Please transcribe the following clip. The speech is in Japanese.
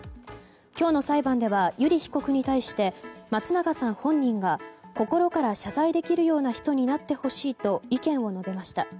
今日の裁判では油利被告に対して松永さん本人が心から謝罪できるような人になってほしいと意見を述べました。